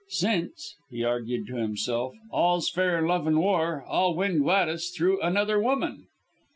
"Since," he argued to himself, "all's fair in love and war, I'll win Gladys through another woman."